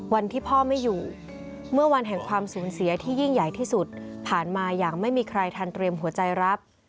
วันที่พ่อไม่อยู่เมื่อวันแห่งความสูญเสียที่ยิ่งใหญ่ที่สุดผ่านมาอย่างไม่มีใครทันเตรียมหัวใจรับ